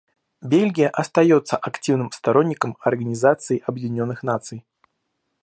Бельгия остается активным сторонником Организации Объединенных Наций.